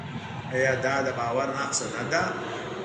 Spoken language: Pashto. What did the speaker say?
آیا دا د باور نښه نه ده؟